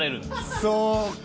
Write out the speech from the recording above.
そうか。